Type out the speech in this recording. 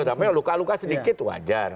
tapi luka luka sedikit wajar